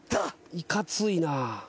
いかついな。